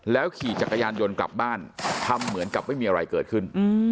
ขี่จักรยานยนต์กลับบ้านทำเหมือนกับไม่มีอะไรเกิดขึ้น